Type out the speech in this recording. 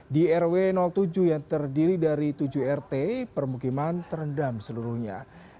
di rw tujuh yang terdiri dari tujuh rt permukiman terendam seluruhnya